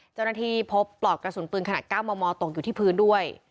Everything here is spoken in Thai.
เจ้าหน้าที่พบปลอกกระสุนปืนขนาด๙มมตกอยู่ที่พื้นด้วย